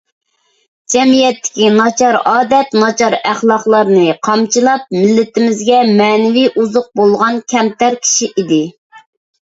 جەمئىيەتتىكى ناچار ئادەت، ناچار ئەخلاقلارنى قامچىلاپ، مىللىتىمىزگە مەنىۋى ئوزۇق بولغان كەمتەر كىشى ئىدى.